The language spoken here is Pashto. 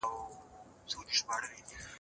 خلک له ذهني فشار سره مخ دي.